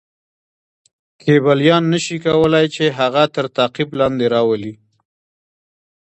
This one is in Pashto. کیبلیان نه شي کولای چې هغه تر تعقیب لاندې راولي.